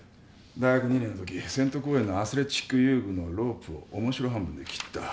大学２年のとき千都公園のアスレチック遊具のロープを面白半分で切った。